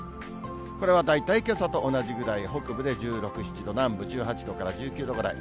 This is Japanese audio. これは大体けさと同じぐらい、北部で１６、７度、南部１８度から１９度ぐらい。